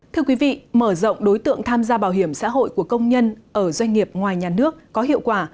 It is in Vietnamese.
thưa quý vị mở rộng đối tượng tham gia bảo hiểm xã hội của công nhân ở doanh nghiệp ngoài nhà nước có hiệu quả